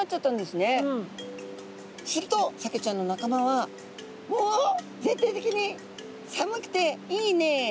するとサケちゃんの仲間は「おお！全体的に寒くていいね。